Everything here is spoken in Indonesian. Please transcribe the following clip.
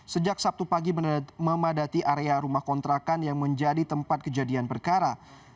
sejak sabtu pagi memadati area rumah kontrakan yang menjadi tempat kejadian perkara